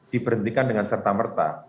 diberhentikan dengan serta merta